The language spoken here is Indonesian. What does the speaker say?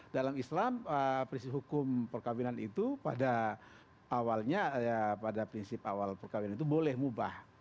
dalam islam prinsip hukum perkawinan itu pada awalnya pada prinsip awal perkawinan itu boleh mubah